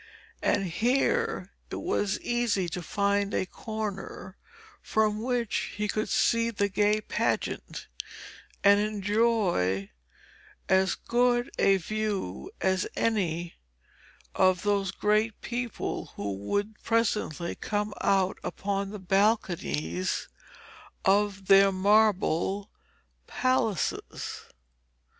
Here it was easy to find a corner from which he could see the gay pageant, and enjoy as good a view as any of those great people who would presently come out upon the balconies of their marble palaces.